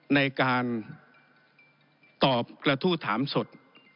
ในการตอบกระทู้ถามสด